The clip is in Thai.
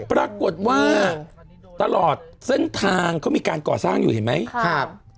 ปรากฏว่าตลอดเส้นทางเขามีการก่อสร้างอยู่เห็นไหมครับ